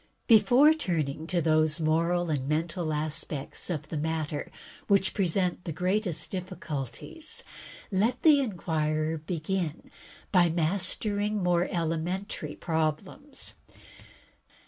Before turning to those moral and mental aspects of the matter which present the greatest difficulties, let the inquirer begin by master 114 THE TECHNIQUE OF THE MYSTERY STORY ing more elementary problems.